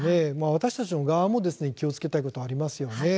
私たちの側も気をつけたいことがありますよね。